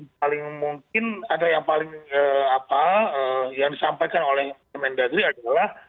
paling mungkin ada yang paling apa yang disampaikan oleh kemendagri adalah